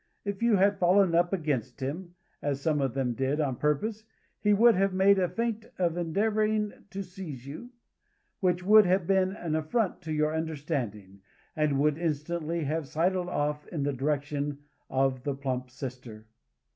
If you had fallen up against him, (as some of them did) on purpose, he would have made a feint of endeavoring to seize you, which would have been an affront to your understanding, and would instantly have sidled off in the direction of the plump sister.